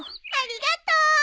ありがとう。